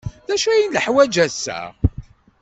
D acu ay neḥwaj ass-a?